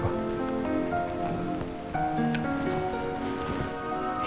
jangan kamu selalu menuntut